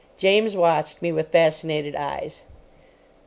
James watched me with fascinated eyes.